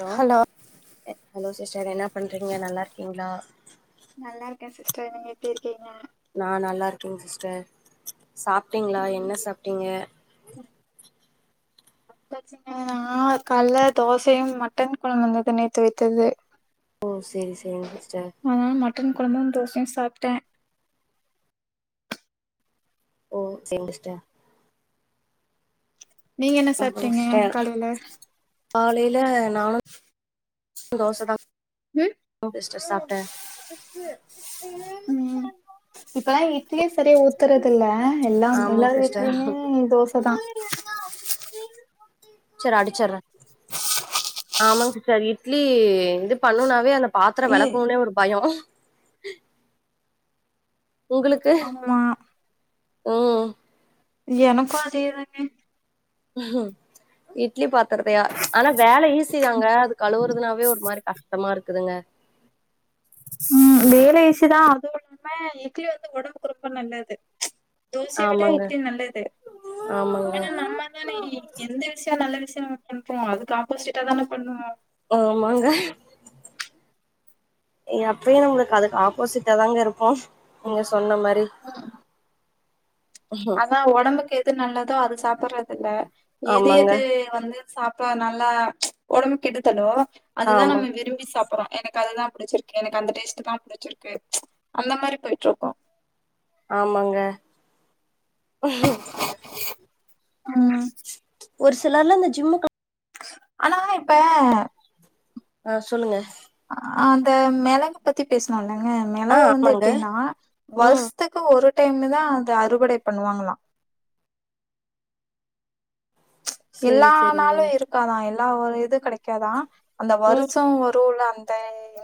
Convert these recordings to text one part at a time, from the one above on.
Hello hello sister என்ன பண்றீங்க நல்லா இருக்கீங்களா நல்லாருக்கேன் சிஸ்டர் நீங்க எப்டி இருக்கீங்க நான் நல்லருக்கேங்க சிஸ்டர் சாப்ட்டீங்களா ம் என்ன சாப்ட்டீங்க [inaudible] நான் கால்ல தோசையு மட்டன் கொழம்பு கொஞ்சோ நைத்து வைச்சது ஓ சேரி சேரி சிஸ்டர் அதனால மட்டன் கொழம்பு தோசையு சாப்ட்டே ஓ சேரி சிஸ்டர் நீங்க என்ன அப்றோ சாப்ட்டீங்க சிஸ்டர் காலைல காலையில நானு தோச தா ம் [unintelligible] சிஸ்டர் சாப்டே ம் இப்பல்லா இட்லியே சரிய ஊத்துறது இல்ல எல்லா ஆமாங்க எல்லாரு சிஸ்டர் வீட்லயுமே தோச தா [unintelligible] சேரி அடிச்சர்ர ஆமாங் சிஸ்டர் இட்லி இது பண்ணுனாவே அந்த பாத்ரோ ஏ விலக்குனே ஒரு பயோ உங்களுக்கு ஆமா ம் எனக்கு அதேதாங்க இட்லி பத் தருவியா ஆனா வேல ஈசிதாங்க அது கழுவுறதுனாவே ஒரு மாரி கஷ்டமா இருக்குதுங்க ம் வேல ஈசிதா அதுவு இல்லாம இட்லி வந்து உடம்புக்கு ரொம்ப நல்லது தோசைய விட ஆமாங்க இட்லி நல்லது ஆமாங்க ஆனா நம்ம தானே எந்த விஷயோ நல்ல விஷயோ பண்ணுவோ அதுக்கு ஆப்போசிட்டா தானே பண்ணுவோ ஆமாங்க எப்பயு நம்மளுக்கு அதுக்கு ஆப்போசிட்டா தாங்க இருப்போ நீங்க சொன்ன மாரி அதா உடம்புக்கு எது நல்லதோ அது சாப்றதுல்ல எது ஆமாங்க எது வந்து சாப்போ நல்லா ஸ் உடம்பு கெடுத்தலோ அதுதா ஆமா நம்ம விரும்பி சாப் பறோ எனக்கு அதுதா புடிச்சிருக்கு எனக்கு அந்த டேஸ்ட் தா புடிச்சிருக்கு அந்த மாரி போயிட்டு இருக்கோ ஆமாங்க ம் ஒரு சிலர்லா இந்த ஜிம்முக்கெ ஆனா இப்ப ஆ சொல்லுங்க அ அந்த மெளகு பத்தி பேசுனோல்லங்க ஆ மெளகு வந்து ஆமாங்க எப்டினா ம் வருசதுக்கு ஒரு டைமு தா அது அறுவடை பண்ணுவாங்ளா சேரி எல்லா சேரிங்க நாளு இருக்காதா எல்லா ஒரு இது கடைக்காதா அந்த ம் வருஷோ ஒரு ல அந் இந்த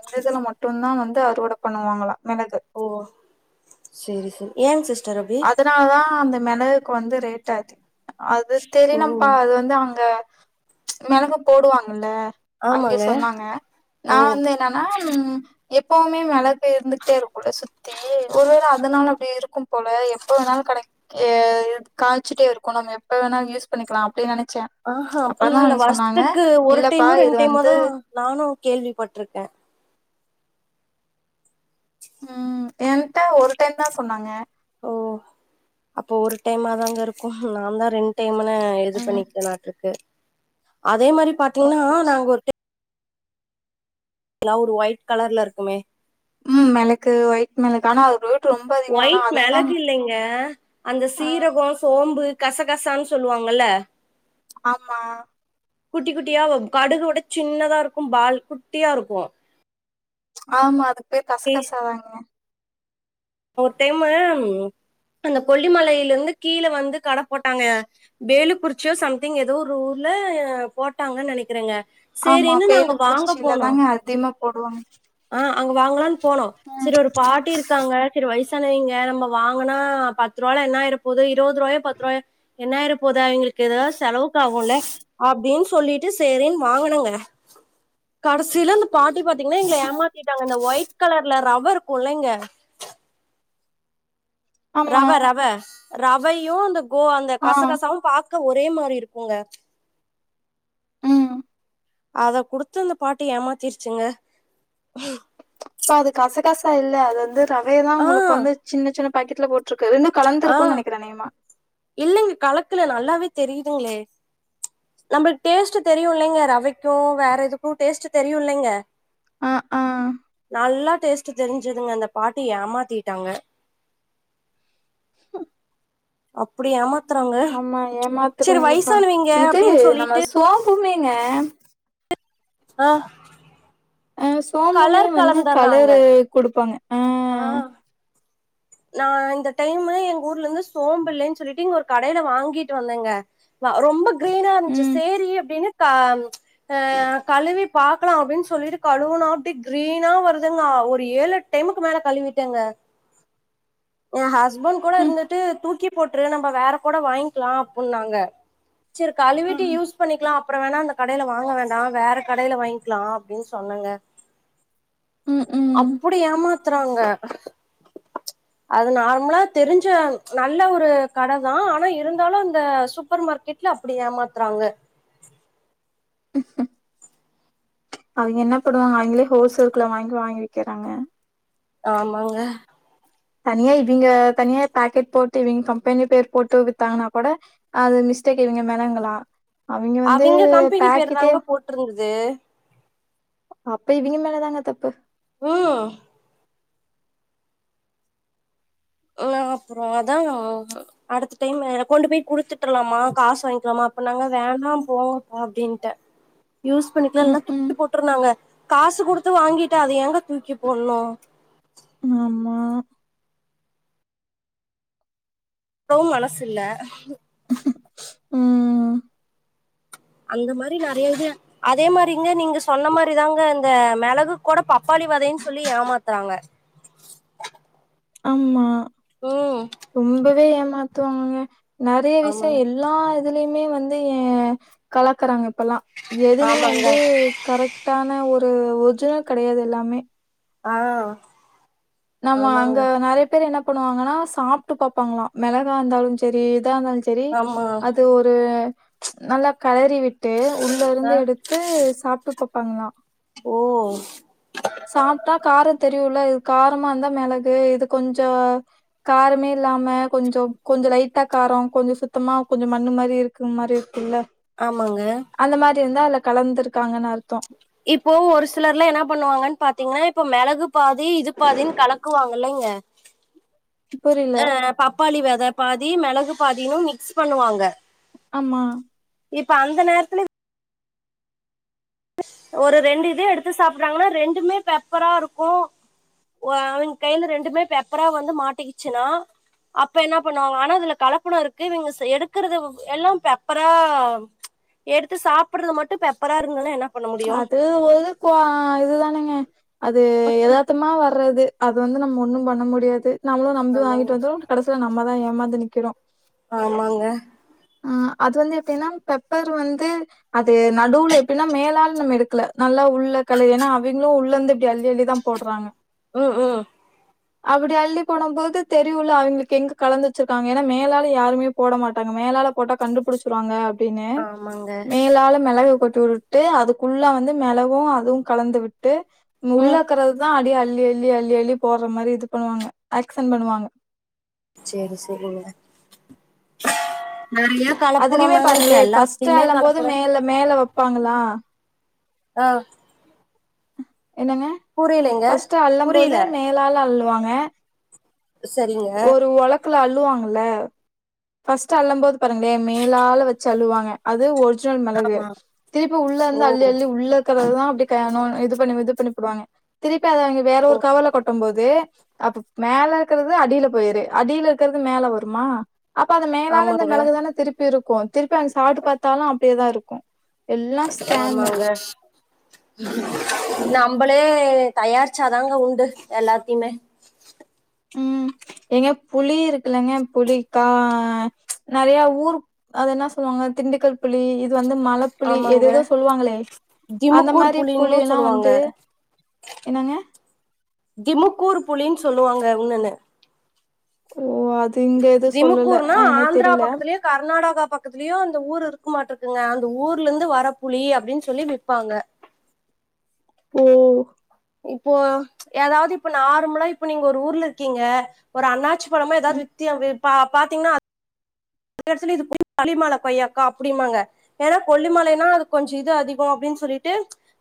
எங்க இதுல மட்டு தா வந்து அறுவட பண்ணுவாங்களா மெளகு ஓ சேரி சேர் ஏ சிஸ்டர் அப்டி அதனால தா அந்த மெளக் குவந்து ரேட் அதிகோ அது ஓ தெரிலம்ப்பா அது வந்து அங்க மெளகு போடு வாங்கல்ல அங்கே ஆமாங்க சொன்னாங்க ஓ நா வந்து என் னானா ம் எப்பவுமே மெளகு இருந்துகிட்டே இருக்குல சுத் தி ஒரு வேள அதனால அப்டி இருக்கும் போல எப்ப வேணாலு கடைக் ஏ ட் காச்சிடே இருக்கு நம்ம எப்ப வேணாலு யூஸ் பண்ணிக்கலா அப்டி நெனச்ச அ ஆ அப்புல்லா இல்ல வருஸ்த்துக்கு ஒரு இல்லப்பா டைமோ இது ரெண்டு டைமோ வந்து தா நானு கேள்விப்பட்ருக்க ம் என்ட ஒரு டைம் தா சொன்னாங்க ஓ அப்ப ஒரு டைமா தாங்க இருக்கும் நா தா ரெண் டேமன இது ம் பண்ணிகிட்னாருக்கு அதே மாறி ஓ பாத்தீங்னா ஸ் நாங்க ஒரு டே கிளவ்டு ஒயிட் கலர்ல இருக்குமே ம் மெளக்கு ஒயிட் மெளக் ஆனா ரேட் ரொம்ப அதிக ஆனா ஒயிட் அதுதான் மெளகு இல்லங்க அந்த அ சீரகோம் சோம்பு கசகசான்னு சொல்லுவாங்கல ஆமா குட்டி குட்டியா வப் கடுகு வுட சின்னதா இருக்கும் பால் குட்டியா இருக்கும் ஆமா அதுக்கு பேர் ஏய், கசகசா தாங்க ஒரு டைமு அந்த கொல்லிமலைல இருந்து கீழே வந்து கட போட்டாங்க பேலுக்குறிச்சியோ சம்திங் ஏதோ ஒரு ஊர்ல போட்டாங்கன் நெனைக்கிறங்க ஆமா பேலுக்குறிச்சில தாங்க அதிகமா போடுவாங்க ஆ அங்க வாங்கலான்னு போனோ ம் செரி ஒரு பாட்டி இருக்காங்க செரி வயசானவிங்க நம்ம வாங்கனா பத்து ரூவால என்னா ஆய்ர போது இருவது ரூவாயோ பத்து ரூவாயோ என்னாயிற போதா அவிங்ளுக்கு ஏதா செலவுக்கு ஆகுல அப்டின் சொல்லிட்டு செரின் வாங்குனங்க கடசில அந் பாட்டி பாத்தீங்கன்னா எங்கள ஏமாத்திட்டாங்கங்க இந்த ஒயிட் கலர்ல ரவ இருக்கும்லங்க ஆமா. ரவ ரவ ரவையும் அந்த கோ அந்த ஆ கசகசாவும் பாக்க ஒரே மாறி இருக்குங்க ம் அத குடுத்து அந்த பாட்டி ஏமாத்திருச்சுங்க இப்ப அது கசகசா இல்ல அது வந்து ரவய தா ஆ உங்ளுக்கு வந்து சின்ன சின்ன பாக்கெட்ல போட் டுருக்கு ரெண்டும் கலந்திருக்கும் நெனைக்கறேன் அனேகமா இல்லங் கலக்கல நல்லாவே தெரியுதுங்ளே நம்பளுக் டேஸ்டு தெரியு இல்லங்க ரவைக்கும் வேற எதுக்கும் டேஸ்ட் தெரியு இல்லங்க ஆ ஆ நல்லா டேஸ்ட் தெரிஞ்சுதுங்க அந்த பாட்டி ஏமாத்திடாங்க [inaudible] அப்டி ஏமாத்றாங்க ஆமா ஏமாத்துறங்கதான் இது அப்டின்னு நம்ம சொல்லிட்டு சோம்புமேங்க ஆ ஆ சோம்புமே வந்து கலந்துடுறாங்க கலரு குடுப்பாங்க ஆ நா இந்த டைமு எங்க ஊர்ல இருந்து சோம்பில்லேன் சொல்லிட்டு இங்க ஒரு கடயில வாங்கிட்டு வந்தங்க வா ரொம்ப கிரீனா இருந்திச்சி ம் சேரி அப்டின்னு கா அ கழுவி பாக்லான் அப்டின்னு சொல்லிட்டு கழுவுனா அப்டி கிரீனா வருதுங்க ஒரு ஏழ் எட் டைமுக்கு மேல கழுவிடேங்க என் ஹஸ்பண்ட் கூட ம் இருந்துட்டு தூக்கி போட்டுரு நம்ம வேற கூட வாங்கிக்கலாம் அப்புடின்னாங்க செர் கழிவிட்டு யூஸ் பண்ணிக்கலாம் அப்புறம் வேணாம் அந்த கடையில வாங்க வேண்டாம் வேற கடையில வாங்கிக்கலாம் அப்படின்னு சொன்னங்க ம் ம் அப்டி ஏமாத்துறாங்க அது நார்மலா தெரிஞ்ச நல்ல ஒரு கட தான் ஆனா இருந்தாலும் இந்த சூப்பர் மார்க்கெட் ல்ல அப்படி ஏமாத்துறாங்க [unintelligible] அவிங்க என்ன பண்ணுவாங்க அவிங்களே ஹோல்சேல்குள்ள வாங்கி வாங்கி விக்கறாங்க ஆமாங்க தனியா இவிங்க தனியா பேக்கெட் போட்டு இவிங்க கம்பெனி பேர் போட்டு வித்தாங்கன்னா கூட அது மிஸ்டேக் இவிங்க மேலங்களா அவிங்க வந்து கம்பெனி பேரு பேக்கெட்டே [unintelligible] அப்ப இவிங்க மேலதாங்க தப்பு ஊ இல்ல அப்றோ அதா அடுத்த டைமு கொண்டு போய் குடுத்துட்ரலாமா காசு வாங்கிலாமா அப்ப நாங்க வேண்டா போ போ அப்டின்ட்டே யூஸ் பண்ணிக்கலா ம் இல்லனா ம் தூக்கி போட்ருலாங்க காசு குடுத்து வாங்கிட்டு அத ஏங்க தூக்கி போணு ஆமா அப்பவு மனசு இல்ல ம் அந்த மாரி நெறையா இது அதே மாரி இங்க நீங்க சொன்ன மாரிதாங்க இந்த மெளகு குட பப்பாளி வெதைன் சொல்லி ஏமாத்றாங்க அம்மா ம் ரொம்பவே ஏமாத்துவாங்கக நெறைய ஆமாங்க விஷய எல் லா இதுலயுமே வந்து ஏ கலக்குறாங்க இப்பெல்லா எதுமே ஆமாங்க வந்து கரெட்டான ஒரு ஒரிஜினல் கெடையாது எல்லாமே ஆ நம்ம அங்க ஆமாங்க நெறைய பேரு என்ன பண்ணுவாங்கனா சாப்ட்டு பாப்பாங்களா மெளகா இருந்தாலு செரி இதா இருந்தாலு செ செரி ஆமா அது ஒரு நல்லா களறி விட்டு உள்ள ஆ இருந்து எடுத் து சாப்ட்டு பாப்பாங்களா ஓ சாப்ட்டா கார தெரியுல இது காரமா இருந்தா மெளகு இது கொஞ்சோ காரமே இல்லாம கொஞ்சம் கொஞ்ச லைட்டா காரம் கொஞ்ச சுத்தமா கொஞ்ச மண்ணு மாரி இரு க்க மாறி இருக்குல்ல ஆமாங்க அந்த மாரி இருந்தா அதுல கலந்திருக்காங்கனு அர்த்தோ இப்போ ஒரு சிலர்லா என்னா பண்ணுவாங்கன் பாத்தீங்கன்னா இப்ப மெளகு பாதி இது பாதினு கலக்குவாங்க இல்லைங்க புரில அ பப்பாளி வெத பாதி மெளகு பாதின்னு மிக்ஸ் பண்ணுவாங்க ஆமா இப்ப அந்த நேரத்துல ஒரு ரெண்டு இது எடுத்து சாப்பட்றாங்கனா ரெண்டுமே பெப்பரா இருக்கு ஒ அவங்க கைல ரெண்டுமே பெப்பரா வந்து மாட்டிகிச்சுனா அப்ப என்ன பண்ணுவாங்க ஆனா அதுல கலப்பட இருக்கு இவங்க சே எடுக்றது எல்லா பெப்பரா எடுத்து சாப்பட்றது மட்டு பெப்பரா இருங்ளே ஏனா அது ஒரு கோ இதுதானேங்க அது எதாத்தமா வர்றது அது வந்து நம்ம ஒண்ணு பண்ண முடியாது நம்ளு நம்பி ஆமாங்க வாங்கிட்டு வந்து கடைசில நம்மதா ஏமாந்து நிக்கிறோ ஆமாங்க ஆ அது வந்து எப்பின்னா பெப்பர் வந்து அது நடுவுல எப்பின்னா மேலால நம்ம எடுக்ல நல்லா உள்ள களை ஏனா அவிங்களு உள்ள இருந்து இப்டி அள்ளி அள்ளிதா போட்றாங்க ஓ ஓ அப்டி அள்ளி போடும் போது தெரியுல அவிங்களுக்கு எங்க கலந்து வச்சிருக்காங்க ஏனா மேலால யாருமே போட மாட்டாங்க மேலால போட்டா கண்டுபுடிச்சிருவாங்க அப்டின்னு ஆமாங்க மேலால மெளகு கொட்டி விட்டுட்டு அதுக்குள்ளா வந்து மெளகு அதுவும் கலந்து விட்டு ம் உள்ளாக்குறிறதுதான் அடியே அள்ளி அள்ளி அள்ளி அள்ளி போடுற மாரி இது பண்ணுவாங்க ஆக்சன் பண்ணுவாங்க சேரி சேரிங்க நறைய அதுலயுமே பாருங்களேன் ஃபர்ஸ்ட் அல்ல மோது மேல மேல வெப்பாங்களா ஆ என்னங்க புரியலைங்க ஃபர்ஸ்ட் அள்ள புரியல போது மேலால அள்ளுவாங்க சரிங்க ஒரு ஒலக்குல அள்ளுவாங்கல ஃபர்ஸ்ட் அல்லும் மோது பாருங்களேன் மேலால வச்சு அள்ளுவாங்க அது ஒரிஜினல் மெளகு ஆமா திருப்பி உள்ள ஓ இருந்து அள்ளி அள்ளி உள்ள ருக்குறதான் அப்டி க இது பண்ணி இது பண்ணி போடுவாங்க திருப்பி அத அவிங்க வேற ஒரு கவர்ல கொட்டும்மோது அப்ப மேல இருக்கிறது அடியில போயிரு அடியில இருக்கிறது மேல வருமா அப்ப அந்த மேலால இந்த ஆமாங்க மிளகுதானே திருப்பி இருக்கும் திருப்பி அந்த சாப்ட்டு பாத்தாலும் அப்டியேதான் இருக்கும் எல்லாம் ஸ்கேமு நம்மபலே தயாரிச்சாதாங்க உண்டு எல்லாத்தையுமே ம் ஏங்க புளி இருக்குலங்க புளிக்கா நறைய ஊர் அது என்ன சொல்லுவாங்க திண்டுக்கல் புளி இது வந்து மலப் புளி ஆமாங்க எதேதோ சொல்லுவாங்களே அந்த திமுக்கூர் மாரி புளி புளின்னு எல்லாம் சொல்லுவாங்க வந்து என்னங்க திமுக்கூர் புளினு சொல்லுவாங்க உன்னோன்னு ஓ அது இங்க எது சொல்லல திமுக்கூர்னா எனக்கு ஆந்திரா தெரில பக்கத்துலயோ கர்நாடகா பக்கத்துலயும் அந்த ஊர் இருக்க மாட்டிருக்குங்க அந்த ஊர்ல இருந்து வர புளி அப்டின்னு சொல்லி விப்பாங்க ஓ இப்போ ஏதாவது இப்ப நார்மலா இப்ப நீங்க ஒரு ஊர்ல இருக்கீங்க ஒரு அண்ணாச்சி பழமோ ஏதாவது ம் வித்தியா பாத்தீங்கன்னா [unintelligible] கொய்யாக்கானு அப்படிமாங்க ஏன்னா கொல்லிமலைன்னா அது கொஞ்சம் இது அதிகம் அப்டின்னு சொல்லிட்டு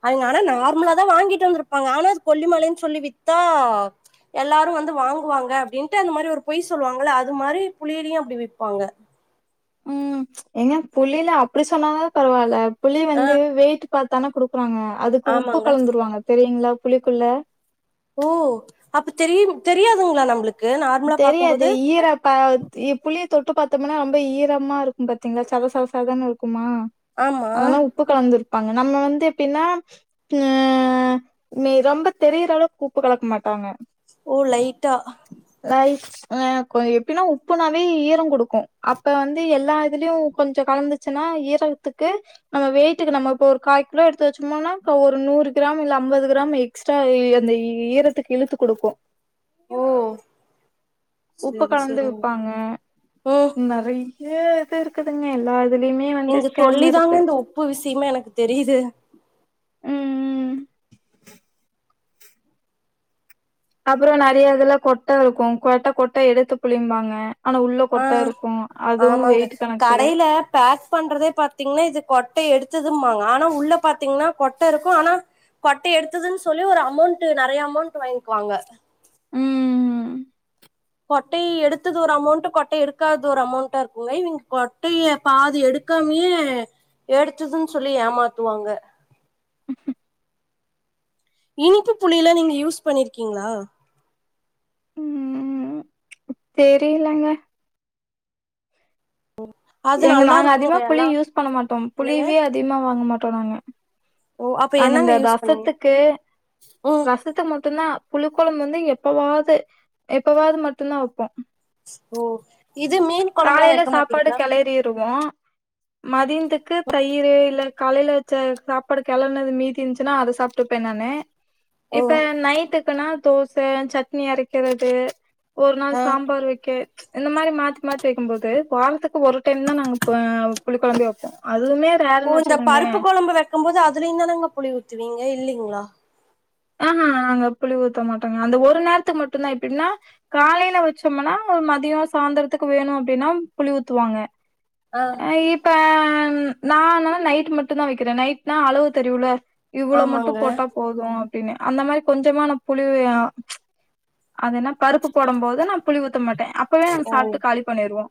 அதுங்க ஆனா நார்மலா தான் வாங்கிட்டு வந்திருப்பாங்க ஆனா அது கொல்லிமலைன்னு சொல்லி வித்தா எல்லாரு வந்து வாங்குவாங்க அப்டின்ட்டு அந்த மாரி ஒரு பொய் சொல்லுவாங்கள அது மாரி புளிலியும் அப்டி விப்பாங்க ம் ஏங்க புளில அப்டி சொன்னாவு பரவால்ல புளி வந்து வெயிட் பாத்தான குடுக்குறாங்க அதுக்கு உப்பு ஆமாங்க கலந்துருவாங்க தெரியுங்களா புளிக்குள்ள ஓ அப்ப தெரிய தெரியாதுங்களா நம்மளுக்கு நார்மலா தெரியாது பாக்கும்போது ஈர புளிய தொட்டு பாத்தோமுனா ரொம்ப ஈரமா இருக்கும் பார்த்தீங்களா சத சத சதனு இருக்குமா ஆமா அதெல்லாம் உப்பு கலந்துருப்பாங்க நம்ம வந்து எப்டின்னா அ ரொம்ப தெரியிற அளவுக்கு உப்பு கலக்க மாட்டாங்க ஓ லைட்டா லைட் ஹ கொஞ்ஜோ எப்டினா உப்புனாவே ஈரோம் கொடுக்கும் அப்ப வந்து எல்லா இதுலயும் கொஞ்ஜோம் கலந்துச் ச்சுன்னா ஈரத்துக்கு நம்ம வெயிட்க்கு நம்மப்ப ஒரு காய் கிலோ எடுத்து வச்சோம்னா அப்றோம் ஒரு நூறு கிராம் இல்ல ஐம்பது கிராம் எக் எக்ஸ்ட்ரா அந்த ஈரத்துக்கு இழுத்து கொடுக்கும் ஓ உப்பு சரி கலந்து சரிங்க விப்பாங்க ம் நறைய இது இருக்குதுங்க எல்லா அதுலயுமே வந்து நீங்க ஸ்கேம் சொல்லிதாங்க இருக்கு இந்த உப்பு விஷயமே எனக்கு தெரியுது ம் ம் அப்றோ நறைய இதுல கொட்ட இருக்கு கொட்ட கொட்ட எடுத்து புளிம்பாங்க ஆனா உள்ள ஆ கொட்ட இருக்கு அதுவு ஆமாங்க வெயிட் கணக்கு கடையில பேக் பண்றதே பாத்தீங்ன்னா இது கொட்ட எடுத்ததும்மாங்க ஆனா உள்ள பாத்தீங்ன்னா கொட்ட இருக்கு ஆனா கொட்ட எடுத்ததுனு சொல்லி ஒரு அமௌண்ட்டு நெறைய அமௌண்ட் வாங்கிவாங்க ம் ம் ம் கொட்டை எடுத்தது ஒரு அமௌண்ட் கொட்டை எடுக்காதது ஒரு அமௌண்டா இருக்குல இவுங்க கொட்டய பாதி எடுத் காமியே எடுத்ததுன்னு சொல்லி ஏமாத்துவாங்க இனிப்பு புளில நீங்க யூஸ் பண்ணிர்க்கீங்ளா ம்‌ ம் தெரிலங்க ஓ எங்க நாங்க அதிகமா புளி யூஸ் பண்ண மாட்டோ என்னங்க புளியவே அதிகமா வாங்க மாட்டோ நாங்க ஓ அப்ப நாங்க இந்த என்னங்க யூஸ் பண்ணீங்க ரசத்துக்கு ம் ரசத்துக்கு மட்டுதா புளி கொழம்பு வந்து எப்பவாது எப்பவாது மட்டுதா வப்போ ஓ இது மீன் கொழம்புலா காலைல வெக்க சாப்பாடு மாட்டீங்ளா கெளறிவோ மதியந்துக்கு தயிரு இல்ல காலைல வச் ச சாப்பாடு கெளர்னது மீதி இச்சுன்னா அத சாப்ட்டுப்பே நானு ஓ இப்ப நைட்டுக்குன்னா தோச சட்னி அரக்கிறது ஒரு நாள் ஆ சாம்பார் வைக்க இந்த மாரி மா மாத்தி வைக்கு போது வாரத்துக்கு ஒரு டைம் தா நாங்க அ புளி கொழம்பே வைப்போ அதுவுமே ஓ ரேருன்னு இந்த வச்சுக்கோங்களே பருப்பு கொழம்பு வைக்கு போது அதுலயு தானங்க புளி ஊத்துவீங்க இல்லிங்ளா அ அ நாங்க புளி ஊத்த மாட்டோங்க அந்த ஒரு நேரத்துக்கு மட்டுதா எப்டின்னா காலைல வச்சம்னா ஒரு மதியோ சாந்தரத்துக்கு வேணு அப்டின்னா புளி ஊத்துவாங்க ஆ ந இப்ப நானா நைட் மட்டு தா வக்கிற நைட்னா அளவு தெரியுல இவ்ளோ மட்டு ஆமாங்க போட்டா போது அப்டினு அந்த மாரி கொஞ்சமா தா புளி ஆ அதேனா பருப்பு போடு போது நா புளி ஊத்த மாட்ட அப்பவே நாங் ஓ சாப்ட்டு காலி பண்ணிறுவோ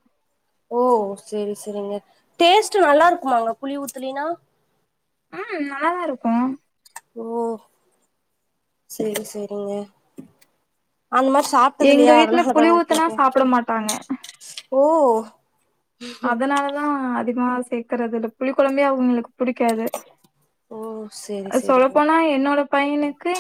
ஓ செரி செரிங்க டேஸ்ட்டு நல்லா இருக்குமாங்க புளி ஊத்துலினா ம் நல்லாதா இருக்கு ஓ செரி செரிங்க அந்த மாரி எங்க சாப்ட்டதில்லயா வீட்ல புளி அதனாலதாங் ஊத்துனா கேட்டே சாப்ட மாட்டாங்க ஓ அதனாலதா அதிகமா சேக்கறதில்ல புளி கொழம்பே அவுங்களுக்கு புடிக்காது ஓ சேரி சேரிங்க சொல்லப்போனா என்னோட பையனுக்கு